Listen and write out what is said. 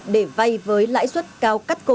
để vai với lãi suất cao cắt cổ